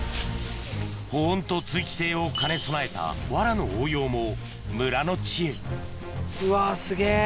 保温と通気性を兼ね備えたわらの応用も村の知恵うわすげぇ！